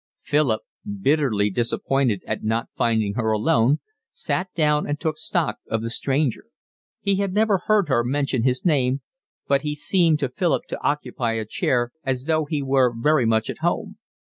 Philip, bitterly disappointed at not finding her alone, sat down and took stock of the stranger. He had never heard her mention his name, but he seemed to Philip to occupy his chair as though he were very much at home.